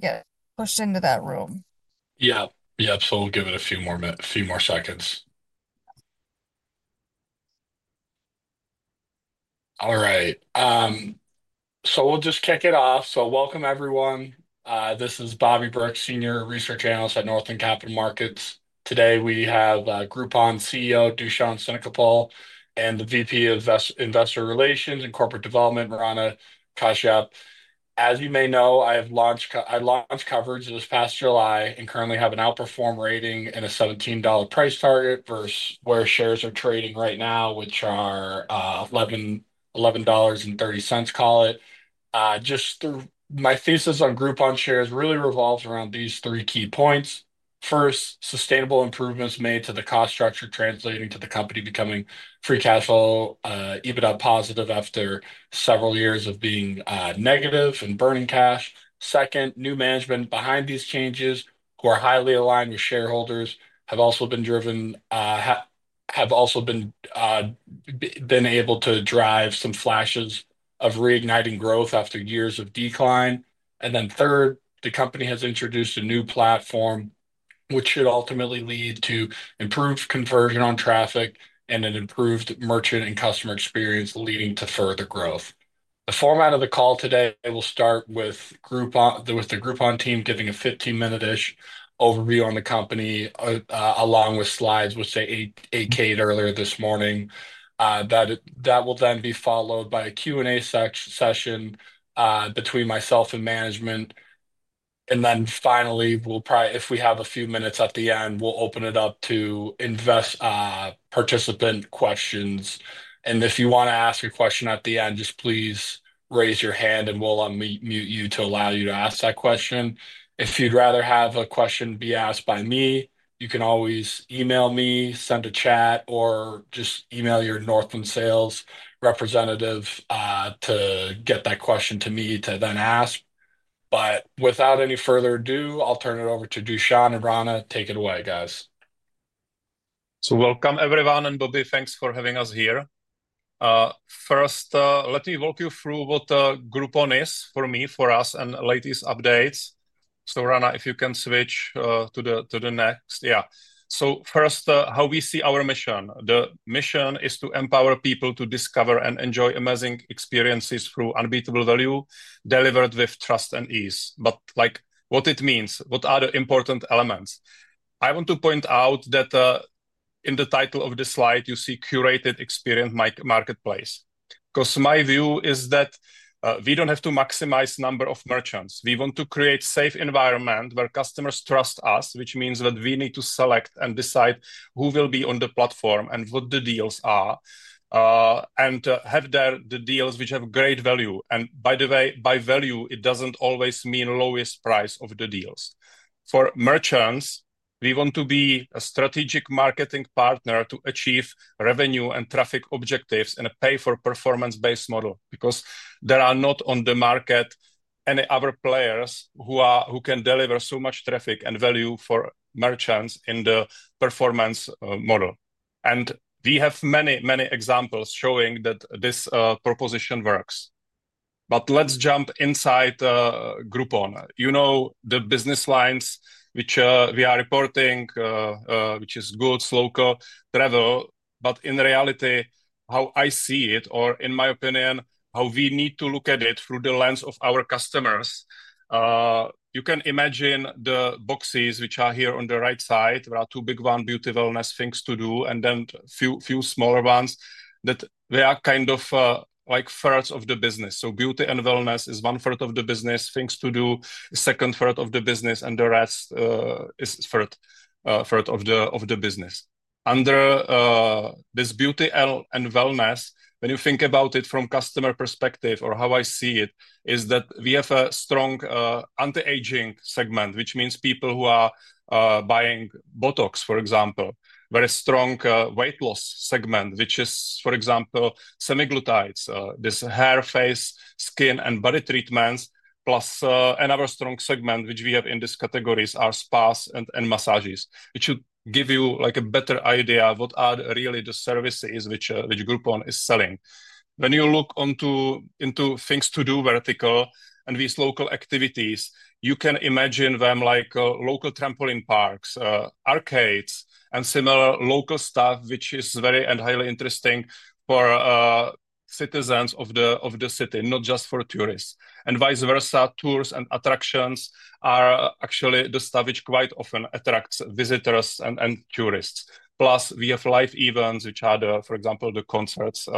Get pushed into that room. Yeah, yeah. So we'll give it a few more seconds. All right. So we'll just kick it off. So welcome, everyone. This is Bobby Burke, Senior Research Analyst at Northland Capital Markets. Today we have Groupon CEO Dušan Šenkypl and the VP of Investor Relations and Corporate Development, Rana Kashyap. As you may know, I launched coverage this past July and currently have an outperform rating and a $17 price target versus where shares are trading right now, which are $11.30, call it. Just my thesis on Groupon shares really revolves around these three key points. First, sustainable improvements made to the cost structure, translating to the company becoming free cash flow, EBITDA positive after several years of being negative and burning cash. Second, new management behind these changes, who are highly aligned with shareholders, have also been driven, have also been able to drive some flashes of reigniting growth after years of decline, and then third, the company has introduced a new platform, which should ultimately lead to improved conversion on traffic and an improved merchant and customer experience, leading to further growth. The format of the call today, we'll start with the Groupon team giving a 15-minute-ish overview on the company, along with slides, which we emailed earlier this morning. That will then be followed by a Q&A session between myself and management, and then finally, if we have a few minutes at the end, we'll open it up to investor participant questions, and if you want to ask a question at the end, just please raise your hand and we'll unmute you to allow you to ask that question. If you'd rather have a question be asked by me, you can always email me, send a chat, or just email your Northland sales representative to get that question to me to then ask. But without any further ado, I'll turn it over to Dušan and Rana. Take it away, guys. So welcome, everyone, and Bobby, thanks for having us here. First, let me walk you through what Groupon is for me, for us, and latest updates. So, Rana, if you can switch to the next. Yeah. So first, how we see our mission. The mission is to empower people to discover and enjoy amazing experiences through unbeatable value, delivered with trust and ease. But what it means, what are the important elements? I want to point out that in the title of the slide, you see curated experience marketplace. Because my view is that we don't have to maximize the number of merchants. We want to create a safe environment where customers trust us, which means that we need to select and decide who will be on the platform and what the deals are, and have the deals which have great value. And by the way, by value, it doesn't always mean lowest price of the deals. For merchants, we want to be a strategic marketing partner to achieve revenue and traffic objectives and pay for performance-based model, because there are not on the market any other players who can deliver so much traffic and value for merchants in the performance model. And we have many, many examples showing that this proposition works. But let's jump inside Groupon. You know the business lines which we are reporting, which is Goods, Local, Travel, but in reality, how I see it, or in my opinion, how we need to look at it through the lens of our customers, you can imagine the boxes which are here on the right side. There are two big ones, Beauty, Wellness, Things To Do, and then a few smaller ones that they are kind of like thirds of the business. So Beauty and Wellness is one third of the business, Things To Do, second third of the business, and the rest is third of the business. Under this Beauty and Wellness, when you think about it from a customer perspective, or how I see it, is that we have a strong anti-aging segment, which means people who are buying Botox, for example, very strong weight loss segment, which is, for example, semaglutides, this hair, face, skin, and body treatments, plus another strong segment which we have in these categories are spas and massages, which should give you a better idea of what are really the services which Groupon is selling. When you look into Things To Do vertical and these local activities, you can imagine them like local trampoline parks, arcades, and similar local stuff, which is very and highly interesting for citizens of the city, not just for tourists. Vice versa, tours and attractions are actually the stuff which quite often attracts visitors and tourists. We have live events, which are, for example, the concerts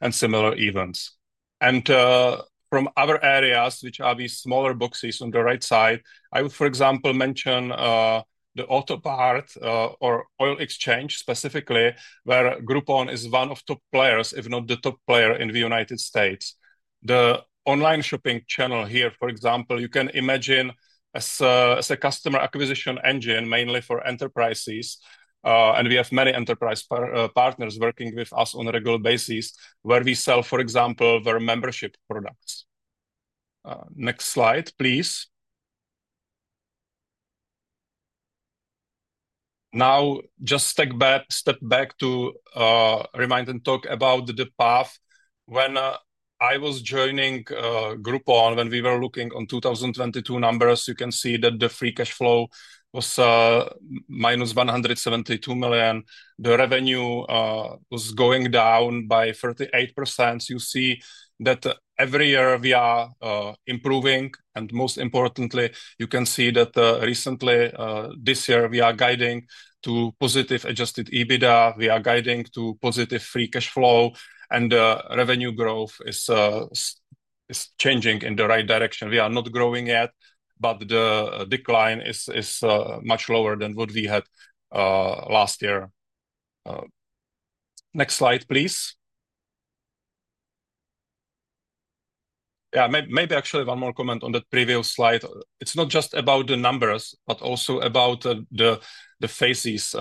and similar events. From other areas, which are these smaller boxes on the right side, I would, for example, mention the auto parts or oil change specifically, where Groupon is one of the top players, if not the top player in the United States. The online shopping channel here, for example, you can imagine as a customer acquisition engine, mainly for enterprises. We have many enterprise partners working with us on a regular basis, where we sell, for example, their membership products. Next slide, please. Now, just step back to remind and talk about the path. When I was joining Groupon, when we were looking at 2022 numbers, you can see that the free cash flow was -$172 million. The revenue was going down by 38%. You see that every year we are improving. Most importantly, you can see that recently, this year, we are guiding to positive adjusted EBITDA. We are guiding to positive free cash flow, and the revenue growth is changing in the right direction. We are not growing yet, but the decline is much lower than what we had last year. Next slide, please. Yeah, maybe actually one more comment on the previous slide. It's not just about the numbers, but also about the phases.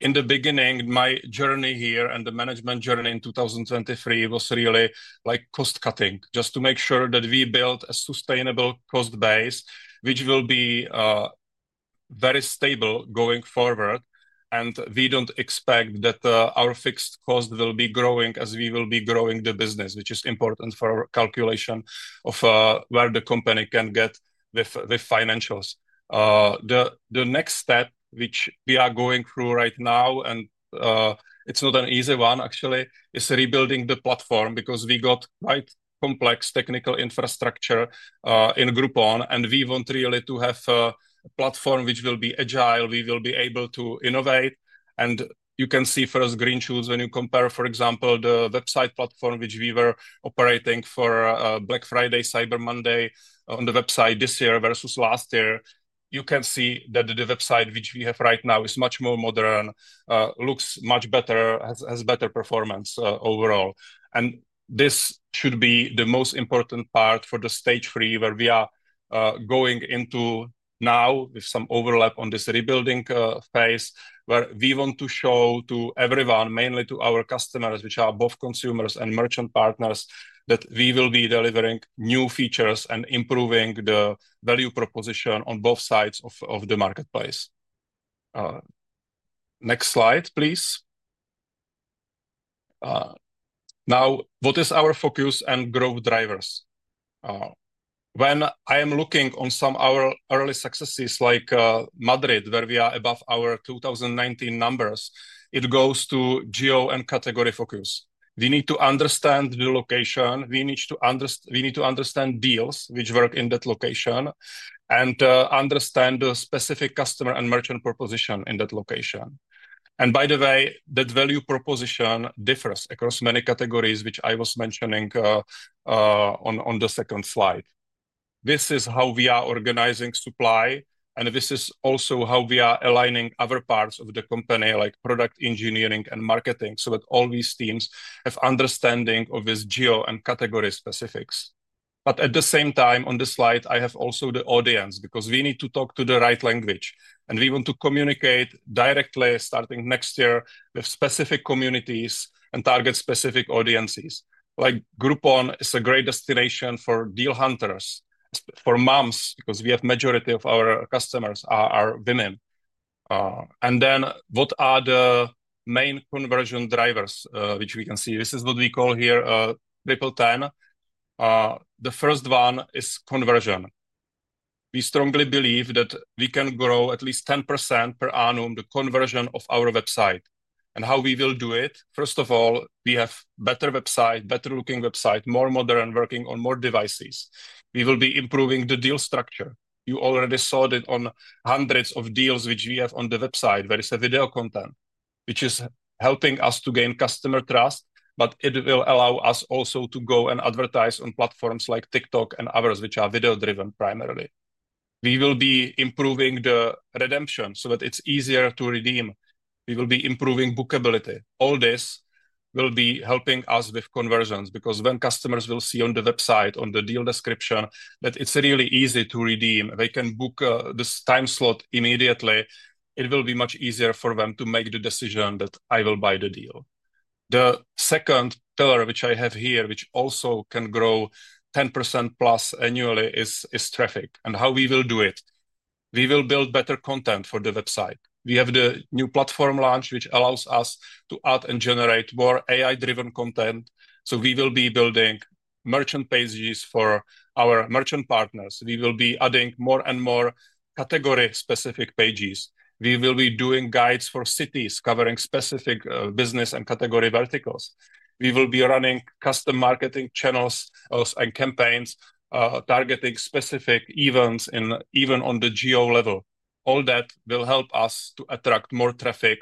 In the beginning, my journey here and the management journey in 2023 was really like cost cutting, just to make sure that we build a sustainable cost base, which will be very stable going forward, and we don't expect that our fixed cost will be growing as we will be growing the business, which is important for our calculation of where the company can get with financials. The next step, which we are going through right now, and it's not an easy one, actually, is rebuilding the platform because we got quite complex technical infrastructure in Groupon, and we want really to have a platform which will be agile. We will be able to innovate, and you can see first green shoots when you compare, for example, the website platform which we were operating for Black Friday, Cyber Monday on the website this year versus last year. You can see that the website which we have right now is much more modern, looks much better, has better performance overall, and this should be the most important part for the stage three where we are going into now with some overlap on this rebuilding phase, where we want to show to everyone, mainly to our customers, which are both consumers and merchant partners, that we will be delivering new features and improving the value proposition on both sides of the marketplace. Next slide, please. Now, what is our focus and growth drivers? When I am looking on some of our early successes like Madrid, where we are above our 2019 numbers, it goes to geo and category focus. We need to understand the location. We need to understand deals which work in that location and understand the specific customer and merchant proposition in that location. And by the way, that value proposition differs across many categories, which I was mentioning on the second slide. This is how we are organizing supply, and this is also how we are aligning other parts of the company, like product engineering and marketing, so that all these teams have understanding of this geo and category specifics. But at the same time, on this slide, I have also the audience because we need to talk to the right language, and we want to communicate directly, starting next year, with specific communities and target specific audiences. Like Groupon is a great destination for deal hunters, for moms, because we have a majority of our customers are women. And then what are the main conversion drivers, which we can see? This is what we call here Triple 10. The first one is conversion. We strongly believe that we can grow at least 10% per annum the conversion of our website. And how will we do it? First of all, we have a better website, better looking website, more modern, working on more devices. We will be improving the deal structure. You already saw it on hundreds of deals which we have on the website, where it's a video content, which is helping us to gain customer trust, but it will allow us also to go and advertise on platforms like TikTok and others, which are video-driven primarily. We will be improving the redemption so that it's easier to redeem. We will be improving bookability. All this will be helping us with conversions because when customers will see on the website, on the deal description, that it's really easy to redeem, they can book this time slot immediately. It will be much easier for them to make the decision that I will buy the deal. The second pillar, which I have here, which also can grow 10% plus annually, is traffic and how we will do it. We will build better content for the website. We have the new platform launch, which allows us to add and generate more AI-driven content. So we will be building merchant pages for our merchant partners. We will be adding more and more category-specific pages. We will be doing guides for cities covering specific business and category verticals. We will be running custom marketing channels and campaigns targeting specific events even on the geo level. All that will help us to attract more traffic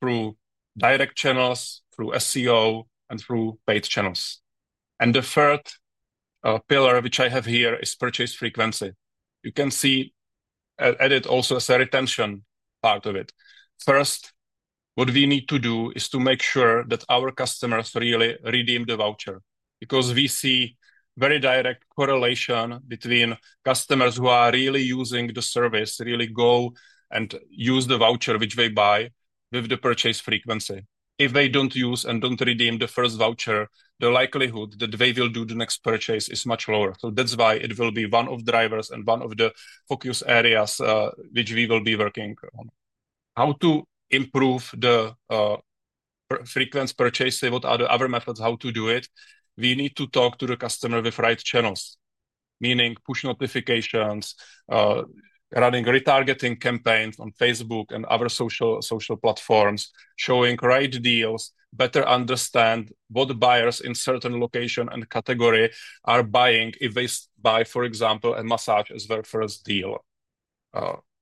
through direct channels, through SEO, and through paid channels. And the third pillar, which I have here, is purchase frequency. You can see it also as a retention part of it. First, what we need to do is to make sure that our customers really redeem the voucher because we see a very direct correlation between customers who are really using the service, really go and use the voucher which they buy with the purchase frequency. If they don't use and don't redeem the first voucher, the likelihood that they will do the next purchase is much lower. So that's why it will be one of the drivers and one of the focus areas which we will be working on. How to improve the frequency purchase? What are the other methods? How to do it? We need to talk to the customer with right channels, meaning push notifications, running retargeting campaigns on Facebook and other social platforms, showing right deals, better understand what buyers in certain location and category are buying if they buy, for example, a massage as their first deal.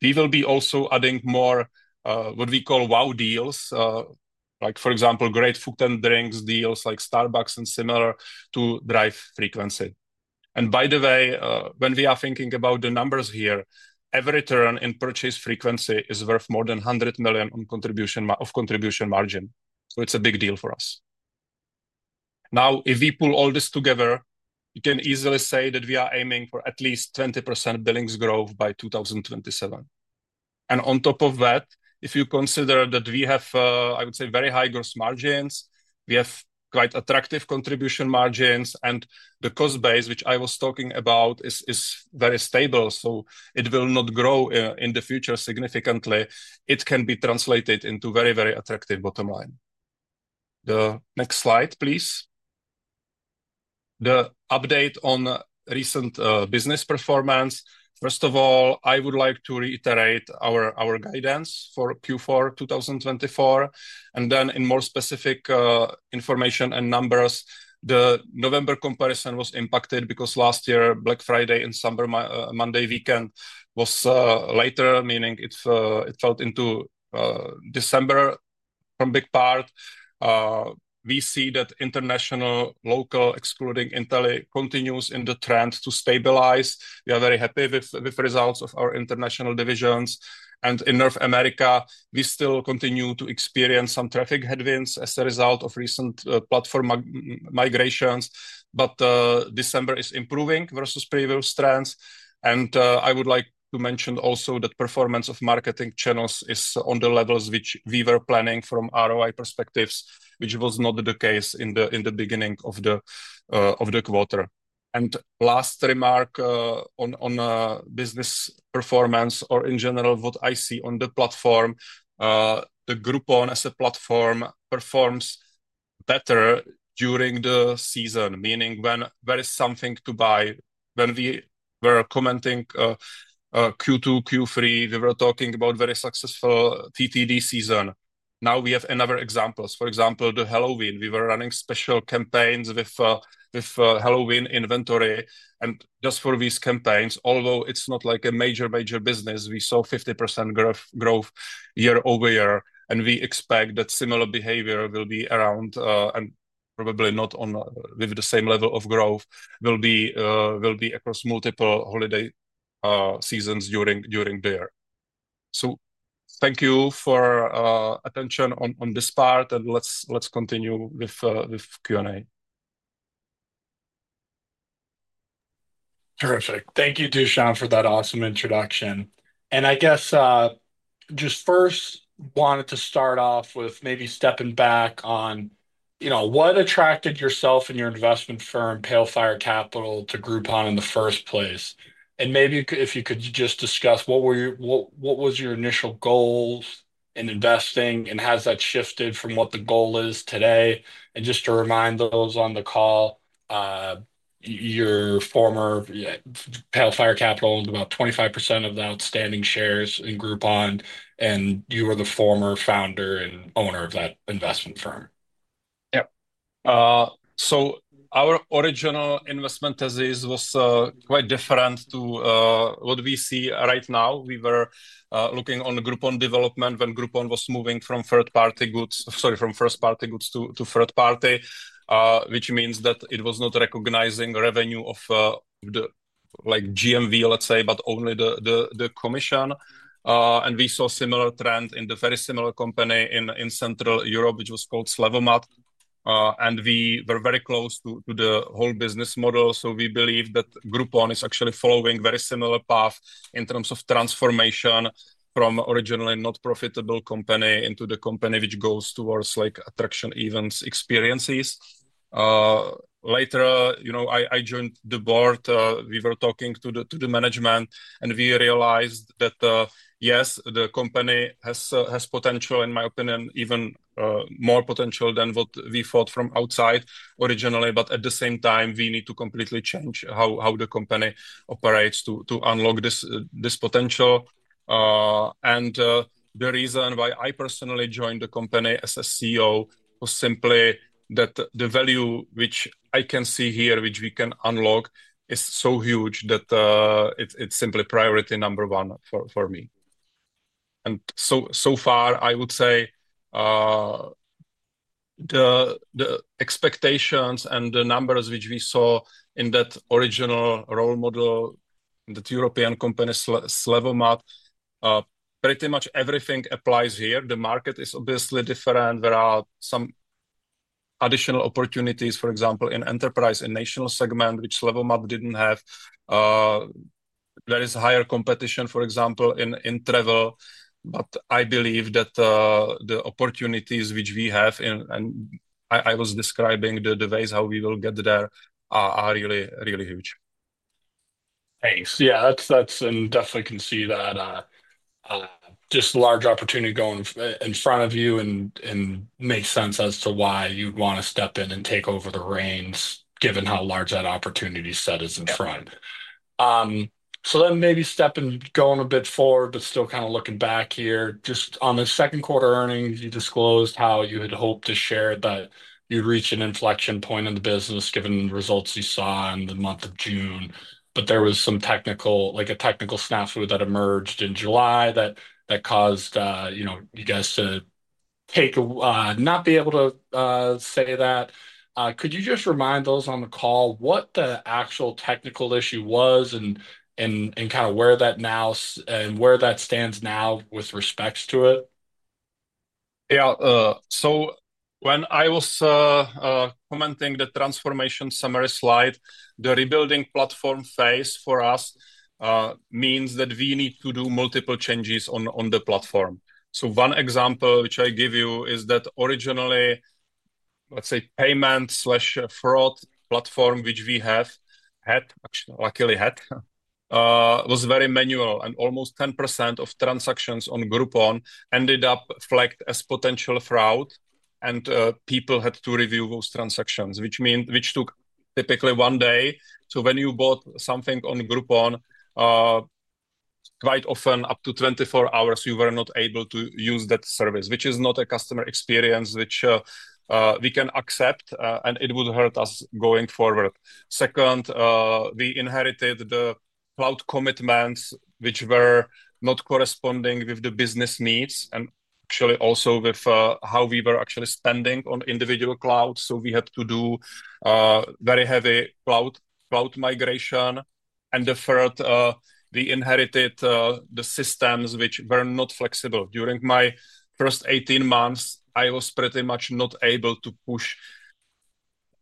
We will be also adding more what we call Wow Deals, like for example, great food and drinks deals like Starbucks and similar to drive frequency, and by the way, when we are thinking about the numbers here, every turn in purchase frequency is worth more than 100 million of contribution margin, so it's a big deal for us. Now, if we pull all this together, we can easily say that we are aiming for at least 20% billings growth by 2027. And on top of that, if you consider that we have, I would say, very high gross margins, we have quite attractive contribution margins, and the cost base, which I was talking about, is very stable. So it will not grow in the future significantly. It can be translated into very, very attractive bottom line. The next slide, please. The update on recent business performance. First of all, I would like to reiterate our guidance for Q4 2024. And then in more specific information and numbers, the November comparison was impacted because last year, Black Friday and Cyber Monday weekend was later, meaning it fell into December for a big part. We see that International, Local excluding Travel continues in the trend to stabilize. We are very happy with results of our international divisions. In North America, we still continue to experience some traffic headwinds as a result of recent platform migrations. December is improving versus previous trends. I would like to mention also that performance of marketing channels is on the levels which we were planning from ROI perspectives, which was not the case in the beginning of the quarter. Last remark on business performance or in general, what I see on the platform, the Groupon as a platform performs better during the season, meaning when there is something to buy. When we were commenting Q2, Q3, we were talking about very successful TTD season. Now we have another example. For example, the Halloween, we were running special campaigns with Halloween inventory. Just for these campaigns, although it's not like a major, major business, we saw 50% growth year-over-year. And we expect that similar behavior will be around and probably not with the same level of growth will be across multiple holiday seasons during the year. So thank you for attention on this part, and let's continue with Q&A. Terrific. Thank you too, Dušan, for that awesome introduction. And I guess just first wanted to start off with maybe stepping back on what attracted yourself and your investment firm, Pale Fire Capital, to Groupon in the first place? And maybe if you could just discuss, what were your initial goals in investing, and has that shifted from what the goal is today? And just to remind those on the call, your former Pale Fire Capital owned about 25% of the outstanding shares in Groupon, and you were the former founder and owner of that investment firm. Yep. Our original investment thesis was quite different to what we see right now. We were looking on Groupon development when Groupon was moving from third-party goods, sorry, from first-party goods to third-party, which means that it was not recognizing revenue of the GMV, let's say, but only the commission. We saw a similar trend in the very similar company in Central Europe, which was called Slevomat. We were very close to the whole business model. We believe that Groupon is actually following a very similar path in terms of transformation from originally a not-profitable company into the company which goes towards attraction events experiences. Later, I joined the board. We were talking to the management, and we realized that, yes, the company has potential, in my opinion, even more potential than what we thought from outside originally. But at the same time, we need to completely change how the company operates to unlock this potential. And the reason why I personally joined the company as a CEO was simply that the value which I can see here, which we can unlock, is so huge that it's simply priority number one for me. And so far, I would say the expectations and the numbers which we saw in that original role model in that European company, Slevomat, pretty much everything applies here. The market is obviously different. There are some additional opportunities, for example, in enterprise and national segment, which Slevomat didn't have. There is higher competition, for example, in travel. But I believe that the opportunities which we have in, and I was describing the ways how we will get there, are really, really huge. Thanks. Yeah, that's definitely I can see that. Just a large opportunity going in front of you and makes sense as to why you'd want to step in and take over the reins, given how large that opportunity set is in front. So then maybe step and go on a bit forward, but still kind of looking back here. Just on the second quarter earnings, you disclosed how you had hoped to share that you'd reach an inflection point in the business given the results you saw in the month of June. But there was some technical, like a technical snafu that emerged in July that caused you guys to not be able to say that. Could you just remind those on the call what the actual technical issue was and kind of where that now and where that stands now with respect to it? Yeah. When I was commenting on the transformation summary slide, the rebuilding platform phase for us means that we need to do multiple changes on the platform. One example which I give you is that originally, let's say, payment slash fraud platform, which we had, luckily had, was very manual. Almost 10% of transactions on Groupon ended up flagged as potential fraud. People had to review those transactions, which took typically one day. When you bought something on Groupon, quite often up to 24 hours, you were not able to use that service, which is not a customer experience which we can accept, and it would hurt us going forward. Second, we inherited the cloud commitments, which were not corresponding with the business needs and actually also with how we were actually spending on individual clouds. We had to do very heavy cloud migration. And the third, we inherited the systems which were not flexible. During my first 18 months, I was pretty much not able to push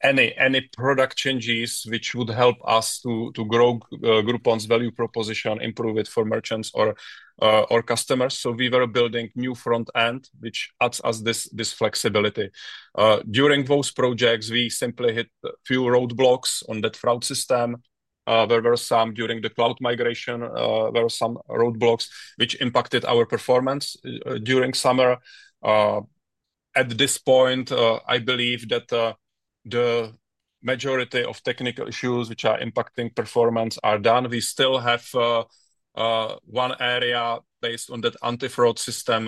any product changes which would help us to grow Groupon's value proposition, improve it for merchants or customers. So we were building new front end, which adds us this flexibility. During those projects, we simply hit a few roadblocks on that fraud system. There were some during the cloud migration, there were some roadblocks which impacted our performance during summer. At this point, I believe that the majority of technical issues which are impacting performance are done. We still have one area based on that anti-fraud system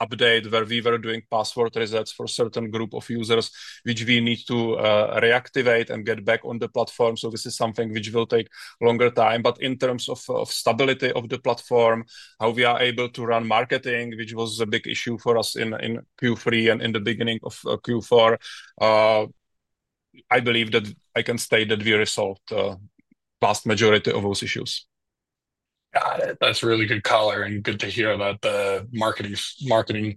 update where we were doing password resets for a certain group of users, which we need to reactivate and get back on the platform. So this is something which will take longer time. But in terms of stability of the platform, how we are able to run marketing, which was a big issue for us in Q3 and in the beginning of Q4, I believe that I can state that we resolved the vast majority of those issues. Got it. That's really good color and good to hear about the marketing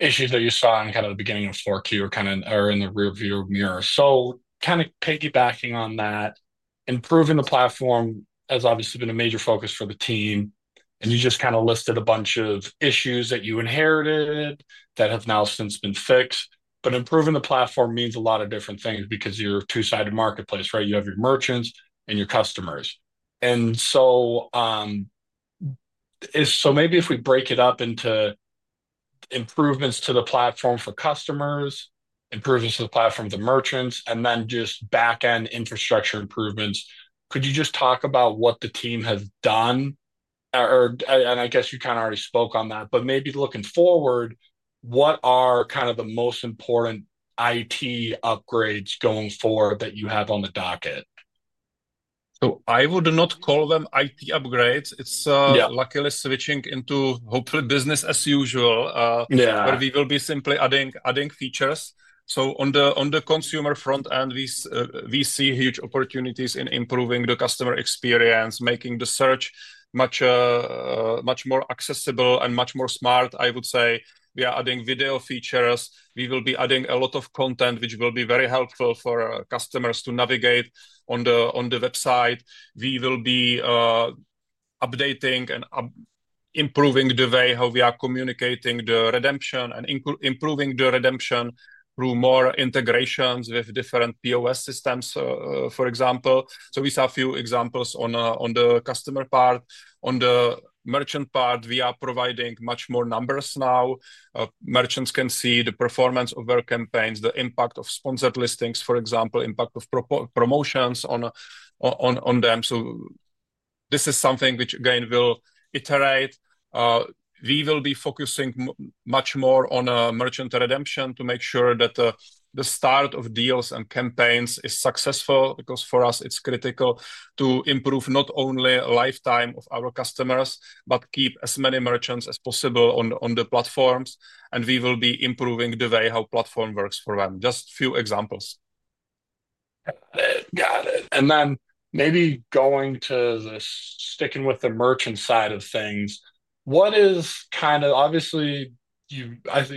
issues that you saw in kind of the beginning of Q4 or kind of in the rearview mirror. So kind of piggybacking on that, improving the platform has obviously been a major focus for the team. And you just kind of listed a bunch of issues that you inherited that have now since been fixed. But improving the platform means a lot of different things because you're a two-sided marketplace, right? You have your merchants and your customers. And so maybe if we break it up into improvements to the platform for customers, improvements to the platform for the merchants, and then just back-end infrastructure improvements, could you just talk about what the team has done? And I guess you kind of already spoke on that. But maybe looking forward, what are kind of the most important IT upgrades going forward that you have on the docket? So I would not call them IT upgrades. It's luckily switching into hopefully business as usual, where we will be simply adding features. So on the consumer front end, we see huge opportunities in improving the customer experience, making the search much more accessible and much more smart, I would say. We are adding video features. We will be adding a lot of content which will be very helpful for customers to navigate on the website. We will be updating and improving the way how we are communicating the redemption and improving the redemption through more integrations with different POS systems, for example. So we saw a few examples on the customer part. On the merchant part, we are providing much more numbers now. Merchants can see the performance of their campaigns, the impact of sponsored listings, for example, impact of promotions on them. So this is something which, again, will iterate. We will be focusing much more on merchant redemption to make sure that the start of deals and campaigns is successful because for us, it's critical to improve not only lifetime of our customers, but keep as many merchants as possible on the platforms. And we will be improving the way how platform works for them. Just a few examples. Got it. And then maybe going to the sticking with the merchant side of things, what is kind of obviously you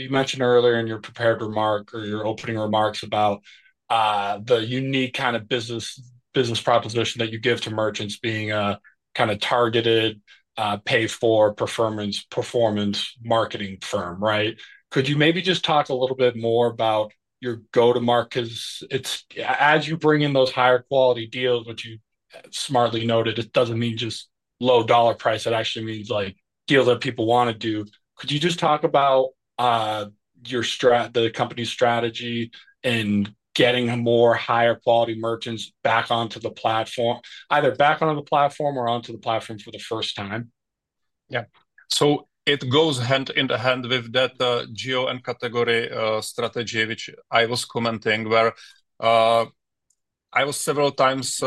mentioned earlier in your prepared remark or your opening remarks about the unique kind of business proposition that you give to merchants being a kind of targeted, pay-for-performance marketing firm, right? Could you maybe just talk a little bit more about your go-to-market? As you bring in those higher quality deals, which you smartly noted, it doesn't mean just low-dollar price. It actually means deals that people want to do. Could you just talk about the company's strategy in getting more higher quality merchants back onto the platform, either back onto the platform or onto the platform for the first time? Yeah. So it goes hand in hand with that geo and category strategy which I was commenting where I was several times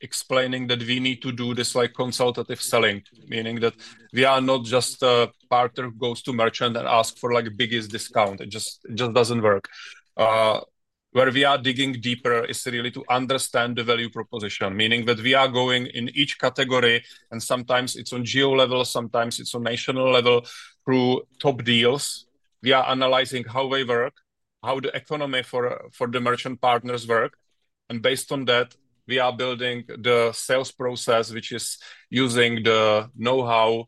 explaining that we need to do this consultative selling, meaning that we are not just a partner who goes to merchant and asks for the biggest discount. It just doesn't work. Where we are digging deeper is really to understand the value proposition, meaning that we are going in each category, and sometimes it's on geo level, sometimes it's on national level through top deals. We are analyzing how they work, how the economy for the merchant partners works. Based on that, we are building the sales process, which is using the know-how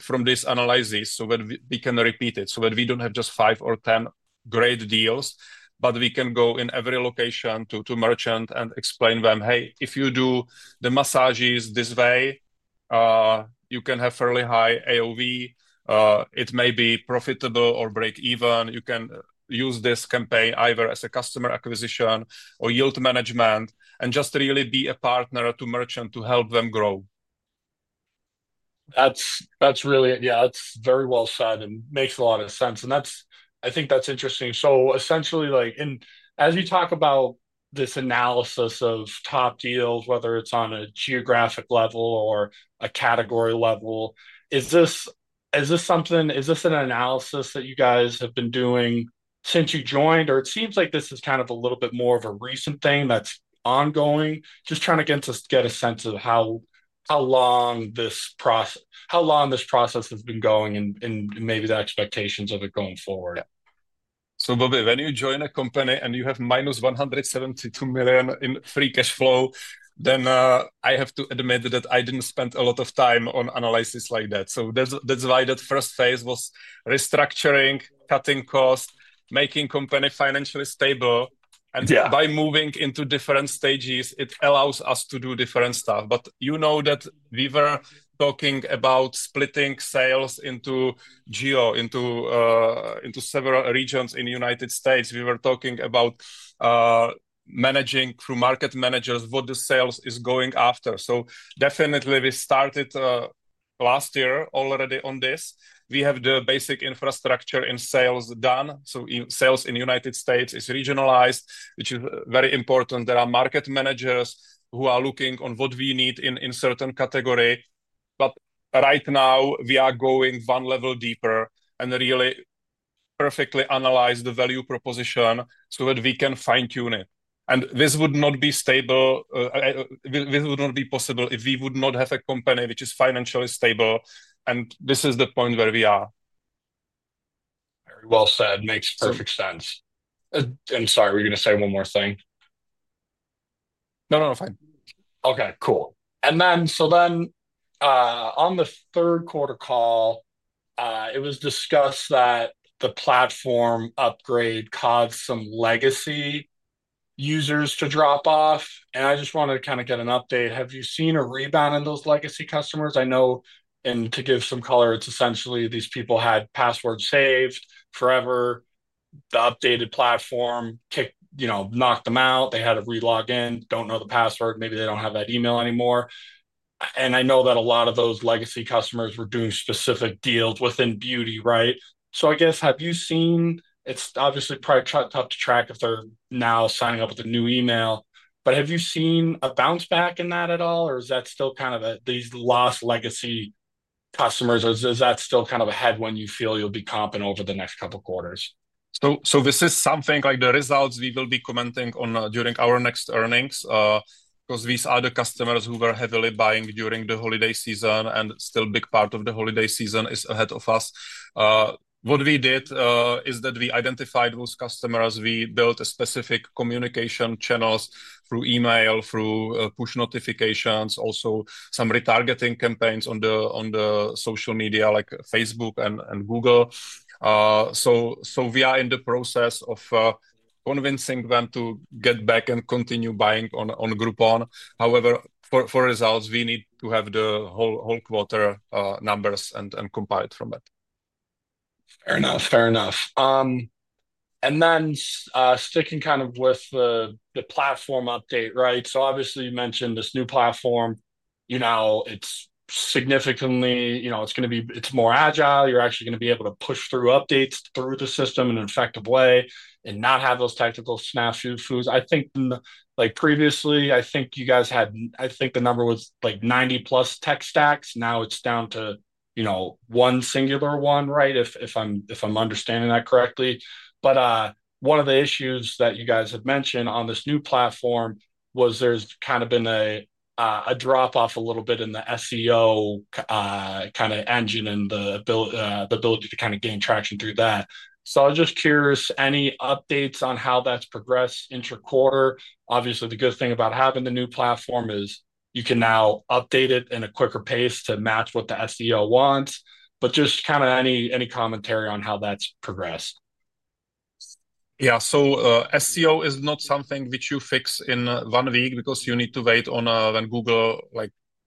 from this analysis so that we can repeat it, so that we don't have just five or 10 great deals, but we can go in every location to merchant and explain them, "Hey, if you do the massages this way, you can have fairly high AOV. It may be profitable or break even. You can use this campaign either as a customer acquisition or yield management and just really be a partner to merchant to help them grow." That's really, yeah, that's very well said and makes a lot of sense. I think that's interesting. Essentially, as you talk about this analysis of top deals, whether it's on a geographic level or a category level, is this an analysis that you guys have been doing since you joined? It seems like this is kind of a little bit more of a recent thing that's ongoing, just trying to get a sense of how long this process has been going and maybe the expectations of it going forward. Bobby, when you join a company and you have -$172 million in free cash flow, then I have to admit that I didn't spend a lot of time on analysis like that. That's why that first phase was restructuring, cutting costs, making the company financially stable. By moving into different stages, it allows us to do different stuff. You know that we were talking about splitting sales into geo into several regions in the United States. We were talking about managing through market managers what the sales is going after. Definitely, we started last year already on this. We have the basic infrastructure in sales done. So sales in the United States is regionalized, which is very important. There are market managers who are looking on what we need in certain categories. But right now, we are going one level deeper and really perfectly analyze the value proposition so that we can fine-tune it. And this would not be stable. This would not be possible if we would not have a company which is financially stable. And this is the point where we are. Very well said. Makes perfect sense. I'm sorry, were you going to say one more thing? No, no, no. Fine. Okay. Cool. And then so then on the third quarter call, it was discussed that the platform upgrade caused some legacy users to drop off. And I just wanted to kind of get an update. Have you seen a rebound in those legacy customers? I know in to give some color, it's essentially these people had passwords saved forever. The updated platform knocked them out. They had to relog in. Don't know the password. Maybe they don't have that email anymore. And I know that a lot of those legacy customers were doing specific deals within beauty, right? So I guess, have you seen? It's obviously probably tough to track if they're now signing up with a new email. But have you seen a bounce back in that at all? Or is that still kind of these lost legacy customers? Is that still kind of a headwind you feel you'll be comping over the next couple of quarters? So this is something like the results we will be commenting on during our next earnings because these are the customers who were heavily buying during the holiday season and still a big part of the holiday season is ahead of us. What we did is that we identified those customers. We built specific communication channels through email, through push notifications, also some retargeting campaigns on the social media like Facebook and Google. So we are in the process of convincing them to get back and continue buying on Groupon. However, for results, we need to have the whole quarter numbers and compile it from it. Fair enough. And then sticking kind of with the platform update, right? So obviously, you mentioned this new platform. It's significantly going to be more agile. You're actually going to be able to push through updates through the system in an effective way and not have those technical snafus. I think previously, I think you guys had I think the number was like 90-plus tech stacks. Now it's down to one singular one, right, if I'm understanding that correctly. But one of the issues that you guys have mentioned on this new platform was there's kind of been a drop-off a little bit in the SEO kind of engine and the ability to kind of gain traction through that. So I was just curious, any updates on how that's progressed intra-quarter? Obviously, the good thing about having the new platform is you can now update it in a quicker pace to match what the SEO wants. But just kind of any commentary on how that's progressed? Yeah. So SEO is not something which you fix in one week because you need to wait on when Google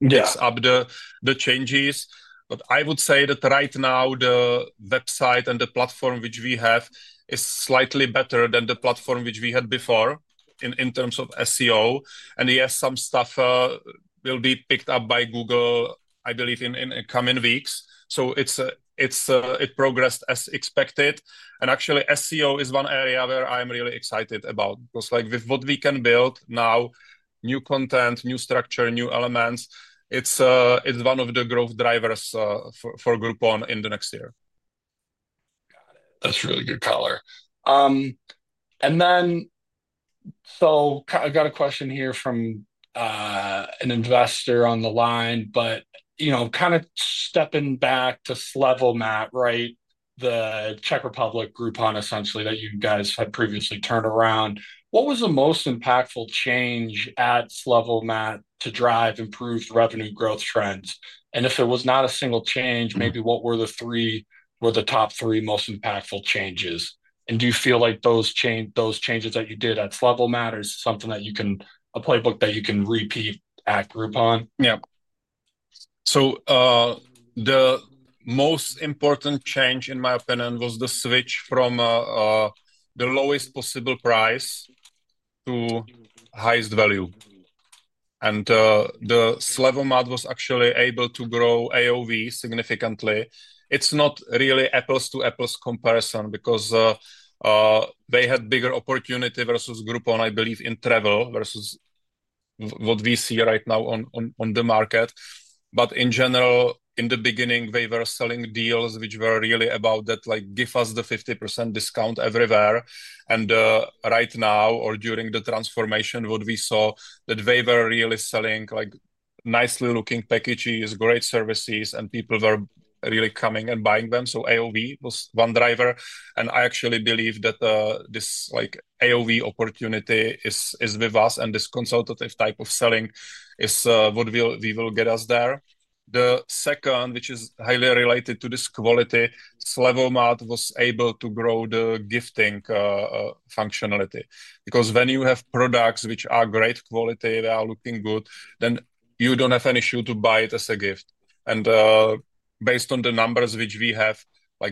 picks up the changes. But I would say that right now, the website and the platform which we have is slightly better than the platform which we had before in terms of SEO. And yes, some stuff will be picked up by Google, I believe, in the coming weeks. So it progressed as expected. And actually, SEO is one area where I'm really excited about because with what we can build now, new content, new structure, new elements, it's one of the growth drivers for Groupon in the next year. Got it. That's really good color. And then so I've got a question here from an investor on the line, but kind of stepping back to Slevomat, right, the Czech Republic Groupon essentially that you guys had previously turned around. What was the most impactful change at Slevomat to drive improved revenue growth trends? And if it was not a single change, maybe what were the top three most impactful changes? And do you feel like those changes that you did at Slevomat are something that you can a playbook that you can repeat at Groupon? Yeah. So the most important change, in my opinion, was the switch from the lowest possible price to highest value. And the Slevomat was actually able to grow AOV significantly. It's not really apples-to-apples comparison because they had bigger opportunity versus Groupon, I believe, in travel versus what we see right now on the market. But in general, in the beginning, they were selling deals which were really about that, like, "Give us the 50% discount everywhere." And right now, or during the transformation, what we saw that they were really selling nicely looking packages, great services, and people were really coming and buying them. So AOV was one driver. And I actually believe that this AOV opportunity is with us, and this consultative type of selling is what we will get us there. The second, which is highly related to this quality, Slevomat was able to grow the gifting functionality because when you have products which are great quality, they are looking good, then you don't have an issue to buy it as a gift. And based on the numbers which we have,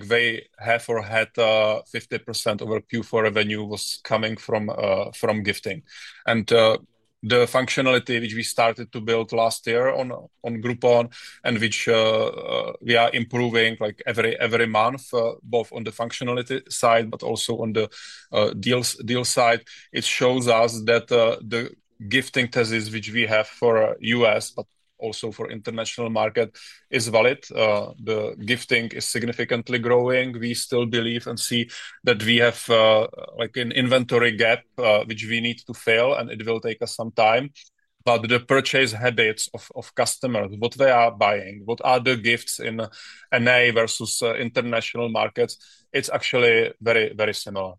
they have or had 50% of our Q4 revenue was coming from gifting. The functionality which we started to build last year on Groupon and which we are improving every month, both on the functionality side but also on the deal side, shows us that the gifting thesis which we have for the U.S., but also for international market, is valid. The gifting is significantly growing. We still believe and see that we have an inventory gap which we need to fill, and it will take us some time. The purchase habits of customers, what they are buying, what are the gifts in NA versus international markets, it's actually very, very similar.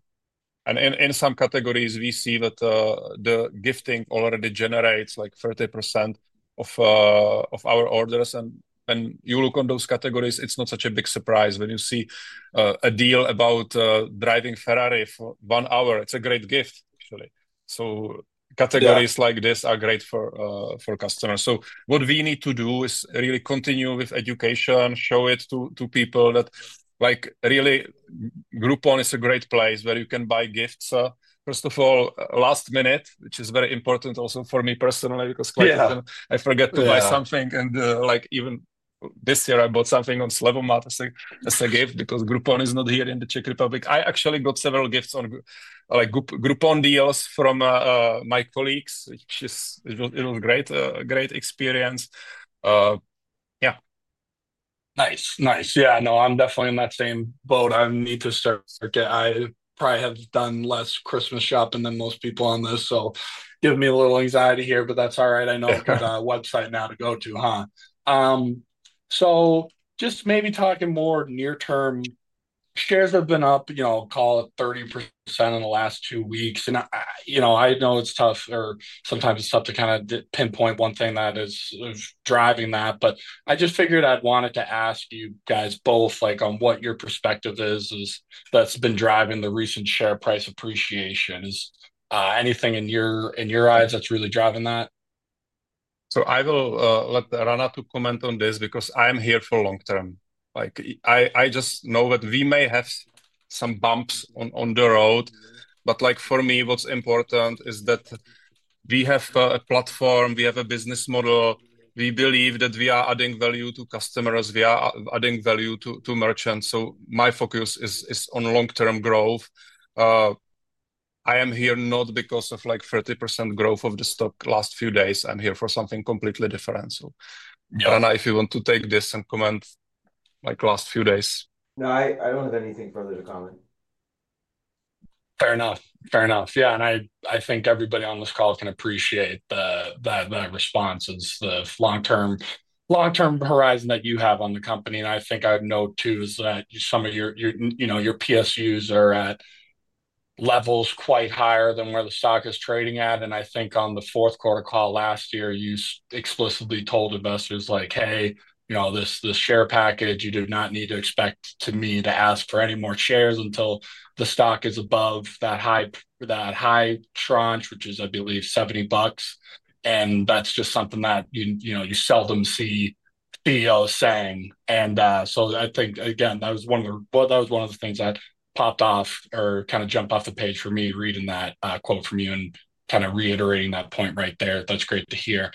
In some categories, we see that the gifting already generates like 30% of our orders. When you look on those categories, it's not such a big surprise when you see a deal about driving Ferrari for one hour. It's a great gift, actually. So categories like this are great for customers. So what we need to do is really continue with education, show it to people that really Groupon is a great place where you can buy gifts, first of all, last minute, which is very important also for me personally because quite often I forget to buy something. And even this year, I bought something on Slevomat as a gift because Groupon is not here in the Czech Republic. I actually got several gifts on Groupon deals from my colleagues, which was a great experience. Yeah. Nice. Nice. Yeah. No, I'm definitely in that same boat. I need to start. I probably have done less Christmas shopping than most people on this, so give me a little anxiety here, but that's all right. I know I've got a website now to go to, huh? So just maybe talking more near-term, shares have been up, call it 30% in the last two weeks. And I know it's tough, or sometimes it's tough to kind of pinpoint one thing that is driving that. But I just figured I'd wanted to ask you guys both on what your perspective is that's been driving the recent share price appreciation. Is anything in your eyes that's really driving that? So I will let Rana to comment on this because I'm here for long-term. I just know that we may have some bumps on the road. But for me, what's important is that we have a platform. We have a business model. We believe that we are adding value to customers. We are adding value to merchants. So my focus is on long-term growth. I am here not because of 30% growth of the stock last few days. I'm here for something completely different. So, Rana, if you want to take this and comment last few days. No, I don't have anything further to comment. Fair enough. Fair enough. Yeah. And I think everybody on this call can appreciate the responses, the long-term horizon that you have on the company. And I think I would note too is that some of your PSUs are at levels quite higher than where the stock is trading at. And I think on the fourth quarter call last year, you explicitly told investors, "Hey, this share package, you do not need to expect me to ask for any more shares until the stock is above that high tranche, which is, I believe, $70." And that's just something that you seldom see CEOs saying. And so I think, again, that was one of the things that popped off or kind of jumped off the page for me reading that quote from you and kind of reiterating that point right there. That's great to hear.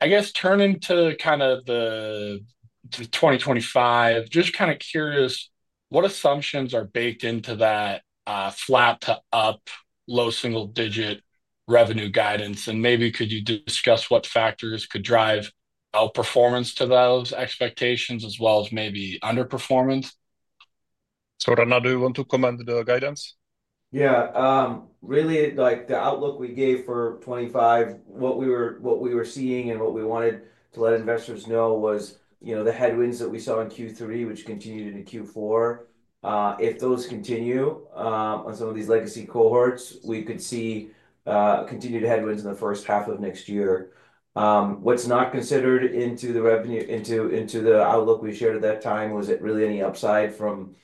I guess turning to kind of the 2025, just kind of curious, what assumptions are baked into that flat to up low single-digit revenue guidance? And maybe could you discuss what factors could drive outperformance to those expectations as well as maybe underperformance? So Rana, do you want to comment on the guidance? Yeah. Really, the outlook we gave for 2025, what we were seeing and what we wanted to let investors know was the headwinds that we saw in Q3, which continued into Q4. If those continue on some of these legacy cohorts, we could see continued headwinds in the first half of next year. What's not considered into the outlook we shared at that time was really any upside from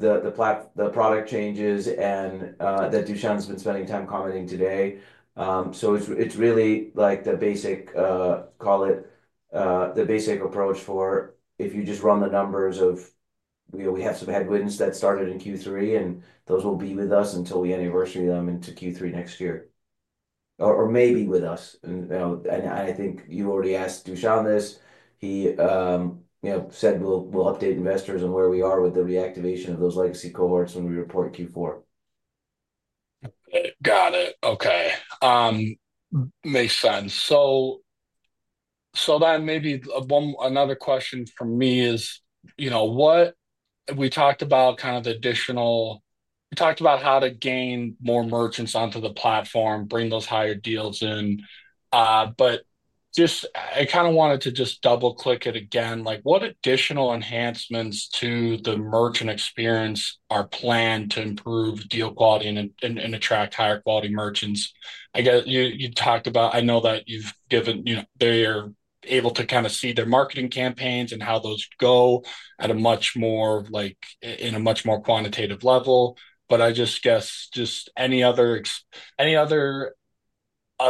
the product changes that Dušan's been spending time commenting today. So it's really the basic, call it the basic approach for if you just run the numbers of we have some headwinds that started in Q3, and those will be with us until we anniversary them into Q3 next year. Or maybe with us. And I think you already asked Dušan this. He said, "We'll update investors on where we are with the reactivation of those legacy cohorts when we report Q4." Got it. Okay. Makes sense. So then maybe another question for me is, we talked about how to gain more merchants onto the platform, bring those higher deals in. But I kind of wanted to just double-click it again. What additional enhancements to the merchant experience are planned to improve deal quality and attract higher-quality merchants? I guess you talked about. I know that you've given. They're able to kind of see their marketing campaigns and how those go at a much more quantitative level. But I guess just any other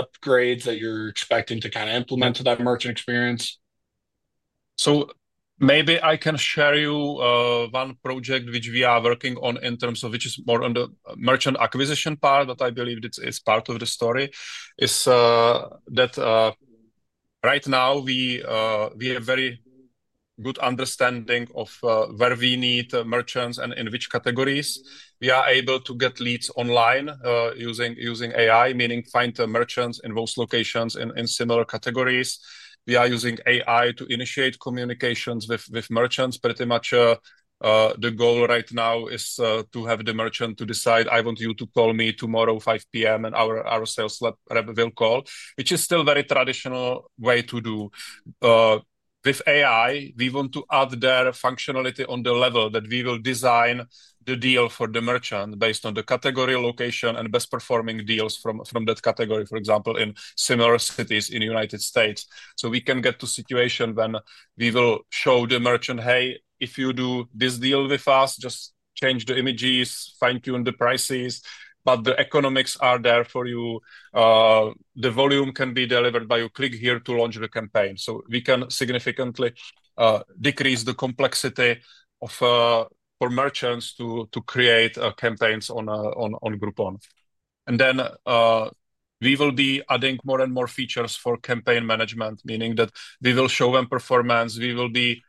upgrades that you're expecting to kind of implement to that merchant experience? Maybe I can share you one project which we are working on in terms of which is more on the merchant acquisition part, but I believe it's part of the story, that is, right now, we have very good understanding of where we need merchants and in which categories. We are able to get leads online using AI, meaning find the merchants in those locations in similar categories. We are using AI to initiate communications with merchants. Pretty much the goal right now is to have the merchant to decide, "I want you to call me tomorrow 5:00 P.M.," and our sales rep will call, which is still a very traditional way to do. With AI, we want to add their functionality on the level that we will design the deal for the merchant based on the category, location, and best-performing deals from that category, for example, in similar cities in the United States. So we can get to a situation when we will show the merchant, "Hey, if you do this deal with us, just change the images, fine-tune the prices, but the economics are there for you. The volume can be delivered by you click here to launch the campaign." So we can significantly decrease the complexity for merchants to create campaigns on Groupon. Then we will be adding more and more features for campaign management, meaning that we will show them performance. We will be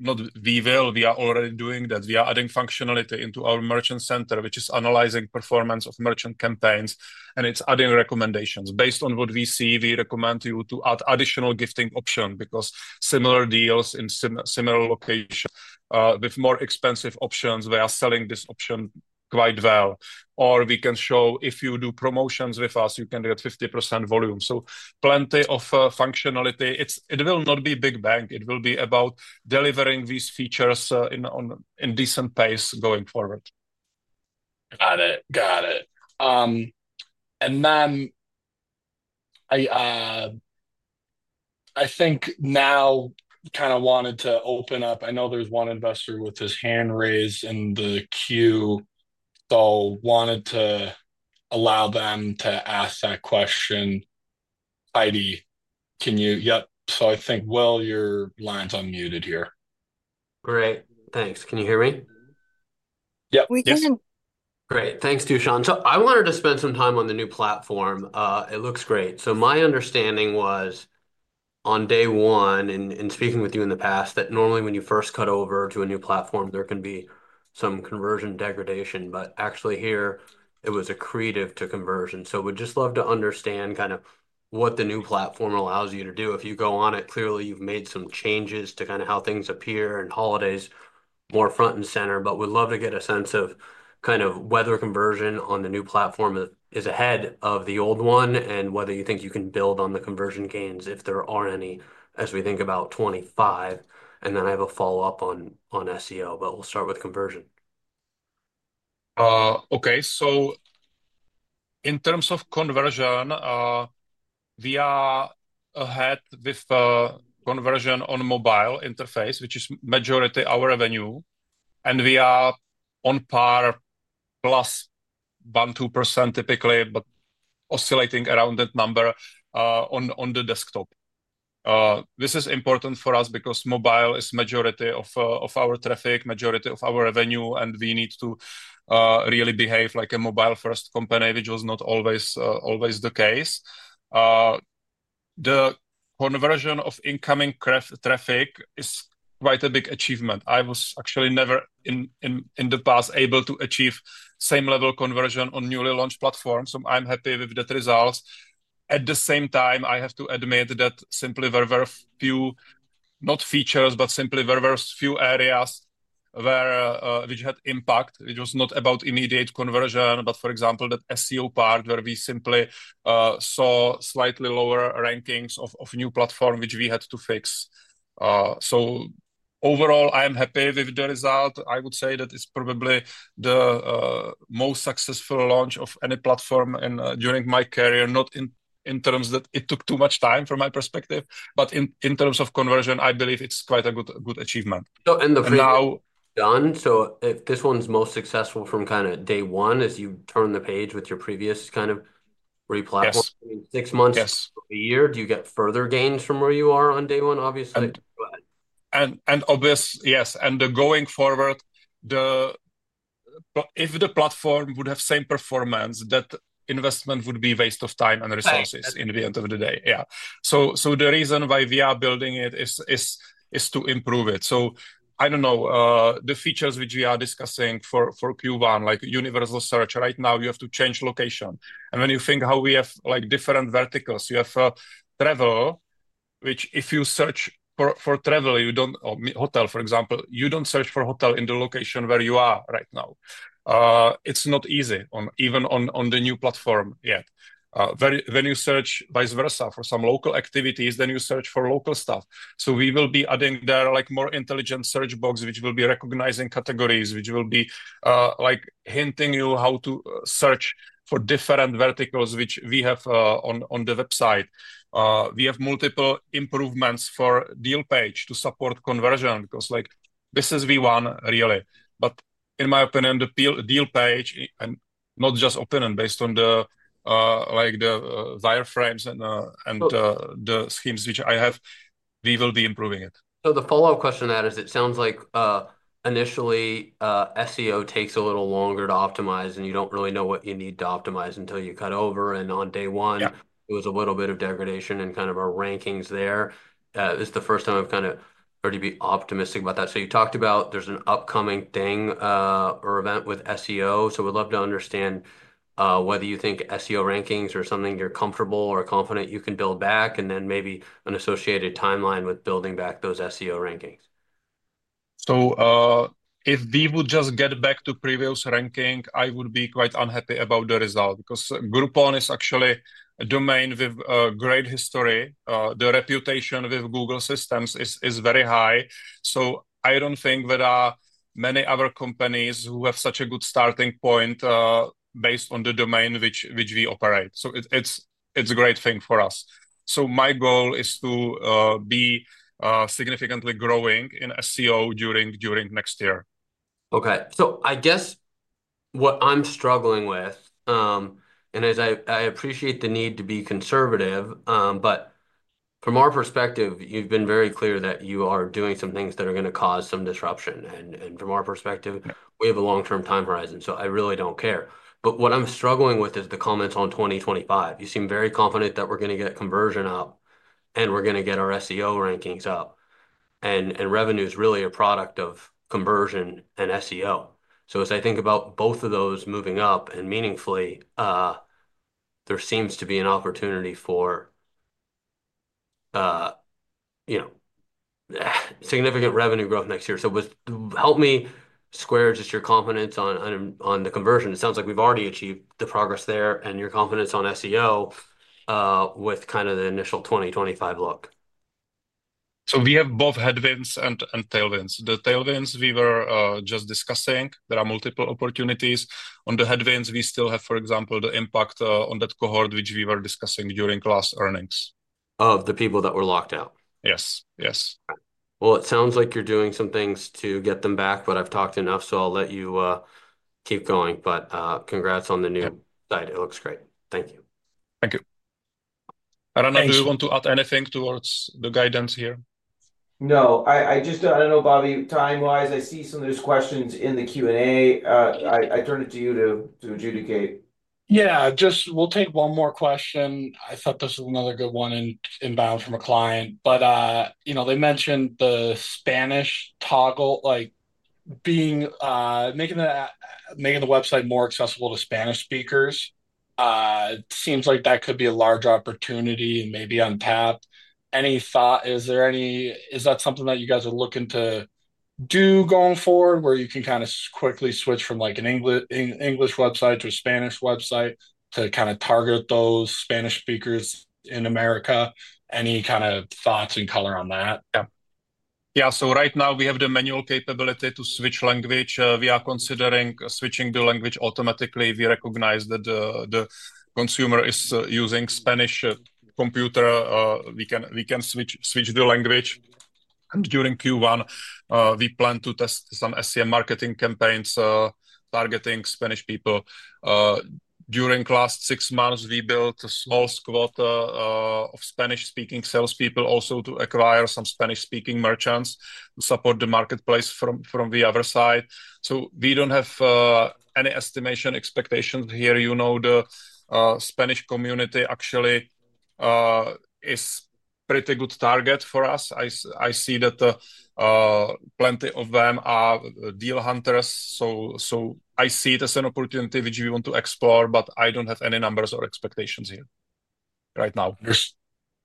not we will. We are already doing that. We are adding functionality into our Merchant Center, which is analyzing performance of merchant campaigns. And it's adding recommendations. Based on what we see, we recommend you to add additional gifting options because similar deals in similar locations with more expensive options, they are selling this option quite well. Or we can show, "If you do promotions with us, you can get 50% volume." So plenty of functionality. It will not be big bang. It will be about delivering these features in decent pace going forward. Got it. And then I think now kind of wanted to open up. I know there's one investor with his hand raised in the queue. So wanted to allow them to ask that question. Heidi, can you yep. So I think, Will, your line's unmuted here. Great. Thanks. Can you hear me? Yeah. We can. Great. Thanks, Dušan. So I wanted to spend some time on the new platform. It looks great. So my understanding was on day one, and speaking with you in the past, that normally when you first cut over to a new platform, there can be some conversion degradation. But actually here, it was accretive to conversion. So we'd just love to understand kind of what the new platform allows you to do. If you go on it, clearly, you've made some changes to kind of how things appear and holidays more front and center. But we'd love to get a sense of kind of whether conversion on the new platform is ahead of the old one and whether you think you can build on the conversion gains if there are any as we think about 2025. And then I have a follow-up on SEO, but we'll start with conversion. Okay. So in terms of conversion, we are ahead with conversion on mobile interface, which is majority of our revenue. And we are on par plus 1-2% typically, but oscillating around that number on the desktop. This is important for us because mobile is majority of our traffic, majority of our revenue, and we need to really behave like a mobile-first company, which was not always the case. The conversion of incoming traffic is quite a big achievement. I was actually never in the past able to achieve same-level conversion on newly launched platforms. So I'm happy with that result. At the same time, I have to admit that simply very, very few, not features, but simply very, very few areas which had impact, which was not about immediate conversion, but for example, that SEO part where we simply saw slightly lower rankings of new platform, which we had to fix. So overall, I am happy with the result. I would say that it's probably the most successful launch of any platform during my career, not in terms that it took too much time from my perspective, but in terms of conversion, I believe it's quite a good achievement. So, in the end, now done. So this one's most successful from kind of day one as you turn the page with your previous kind of replatform. Six months to a year, Do you get further gains from where you are on day one, obviously? And obviously, yes. And going forward, if the platform would have same performance, that investment would be waste of time and resources in the end of the day. Yeah. So the reason why we are building it is to improve it. So I don't know. The features which we are discussing for Q1, like universal search, right now, you have to change location. And when you think how we have different verticals, you have travel, which if you search for travel, hotel, for example, you don't search for hotel in the location where you are right now. It's not easy, even on the new platform yet. When you search vice versa for some local activities, then you search for local stuff. So we will be adding there more intelligent search box, which will be recognizing categories, which will be hinting you how to search for different verticals, which we have on the website. We have multiple improvements for deal page to support conversion because this is V1, really, but in my opinion, the deal page, and not just opinion, based on the wireframes and the schemes which I have, we will be improving it. So the follow-up question that is, it sounds like initially SEO takes a little longer to optimize, and you don't really know what you need to optimize until you cut over, and on day one, it was a little bit of degradation and kind of our rankings there. It's the first time I've kind of heard you be optimistic about that, so you talked about there's an upcoming thing or event with SEO, so we'd love to understand whether you think SEO rankings are something you're comfortable or confident you can build back, and then maybe an associated timeline with building back those SEO rankings. So if we would just get back to previous ranking, I would be quite unhappy about the result because Groupon is actually a domain with a great history. The reputation with Google systems is very high. So I don't think there are many other companies who have such a good starting point based on the domain which we operate. So it's a great thing for us. So my goal is to be significantly growing in SEO during next year. Okay. So I guess what I'm struggling with, and I appreciate the need to be conservative, but from our perspective, you've been very clear that you are doing some things that are going to cause some disruption. And from our perspective, we have a long-term time horizon, so I really don't care. But what I'm struggling with is the comments on 2025. You seem very confident that we're going to get conversion up, and we're going to get our SEO rankings up. And revenue is really a product of conversion and SEO. So, as I think about both of those moving up and meaningfully, there seems to be an opportunity for significant revenue growth next year. So help me square just your confidence on the conversion. It sounds like we've already achieved the progress there and your confidence on SEO with kind of the initial 2025 look. So we have both headwinds and tailwinds. The tailwinds, we were just discussing. There are multiple opportunities. On the headwinds, we still have, for example, the impact on that cohort which we were discussing during last earnings. Of the people that were locked out. Yes. Yes. It sounds like you're doing some things to get them back, but I've talked enough, so I'll let you keep going. Congrats on the new[ site]. It looks great. Thank you. Thank you. I don't know. Do you want to add anything towards the guidance here? No. I don't know, Bobby. Time-wise, I see some of these questions in the Q&A. I turn it to you to adjudicate. Yeah. Just we'll take one more question. I thought this was another good one inbound from a client. They mentioned the Spanish toggle, making the website more accessible to Spanish speakers. It seems like that could be a large opportunity and maybe untapped. Any thought? Is that something that you guys are looking to do going forward where you can kind of quickly switch from an English website to a Spanish website to kind of target those Spanish speakers in America? Any kind of thoughts and color on that? Yeah. Yeah. So right now, we have the manual capability to switch language. We are considering switching the language automatically. We recognize that the consumer is using Spanish computer. We can switch the language, and during Q1, we plan to test some SEM marketing campaigns targeting Spanish people. During the last six months, we built a small squad of Spanish-speaking salespeople also to acquire some Spanish-speaking merchants to support the marketplace from the other side. So we don't have any estimation expectations here. The Spanish community actually is a pretty good target for us. I see that plenty of them are deal hunters. So I see it as an opportunity which we want to explore, but I don't have any numbers or expectations here right now.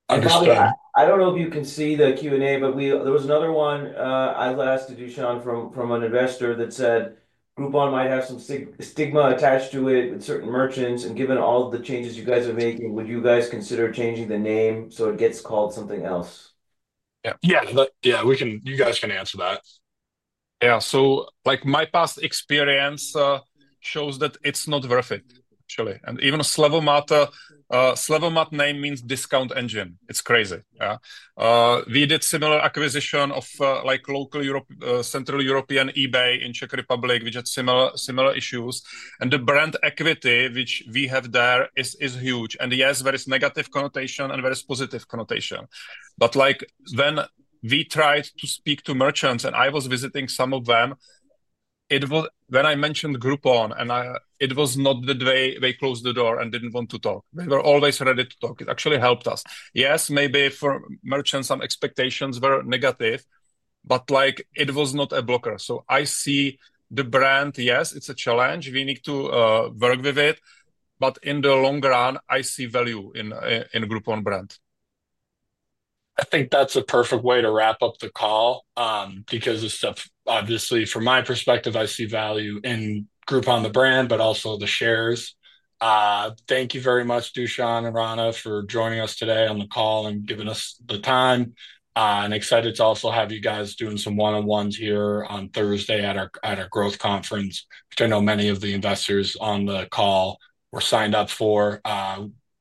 Understood. I don't know if you can see the Q&A, but there was another one I last did, Dušan, from an investor that said Groupon might have some stigma attached to it with certain merchants. And given all the changes you guys are making, would you guys consider changing the name so it gets called something else? Yeah. You guys can answer that. Yeah. Yeah. You guys can answer that. Yeah. So my past experience shows that it's not worth it, actually. And even Slevomat, Slevomat name means discount engine. It's crazy. Yeah. We did similar acquisition of Central European eBay in Czech Republic, which had similar issues. And the brand equity which we have there is huge. And yes, there is negative connotation and there is positive connotation. But when we tried to speak to merchants and I was visiting some of them, when I mentioned Groupon, it was not that they closed the door and didn't want to talk. They were always ready to talk. It actually helped us. Yes, maybe for merchants, some expectations were negative, but it was not a blocker. So I see the brand, yes, it's a challenge. We need to work with it. But in the long run, I see value in Groupon brand. I think that's a perfect way to wrap up the call because obviously, from my perspective, I see value in Groupon the brand, but also the shares. Thank you very much, Dušan and Rana, for joining us today on the call and giving us the time. I'm excited to also have you guys doing some one-on-ones here on Thursday at our growth conference, which I know many of the investors on the call were signed up for.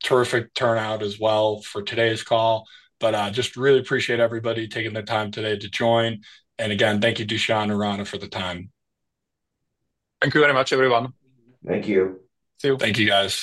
Terrific turnout as well for today's call. I just really appreciate everybody taking the time today to join. And again, thank you, Dušan and Rana, for the time. Thank you very much, everyone. Thank you. Thank you, guys.